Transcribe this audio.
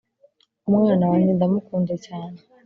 umwana wanjye ndamukunda cyane